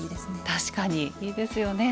確かにいいですよね。